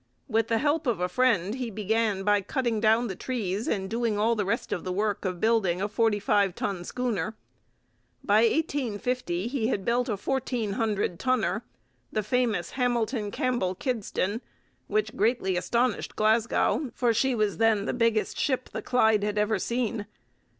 With the help of a friend he began by cutting down the trees and doing all the rest of the work of building a forty five ton schooner. By 1850 he had built a fourteen hundred tonner, the famous Hamilton Campbell Kidston, which greatly astonished Glasgow, for she was then the biggest ship the Clyde had ever seen.